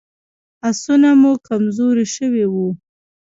آسونه مو کمزوري شوي وو.